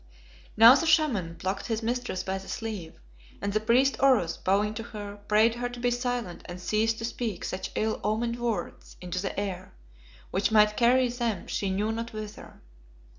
Now the Shaman plucked his mistress by the sleeve, and the priest Oros, bowing to her, prayed her to be silent and cease to speak such ill omened words into the air, which might carry them she knew not whither.